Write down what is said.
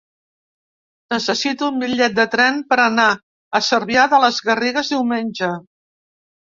Necessito un bitllet de tren per anar a Cervià de les Garrigues diumenge.